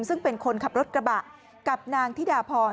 ซึ่งเป็นคนขับรถกระบะกับนางธิดาพร